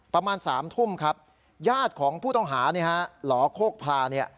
ประมาณ๓ทุ่มครับญาติของผู้ต้องหาหล่อโคกพลาเนี่ย